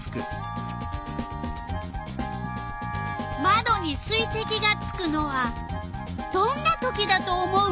まどに水てきがつくのはどんなときだと思う？